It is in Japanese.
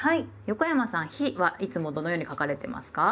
横山さん「日」はいつもどのように書かれてますか？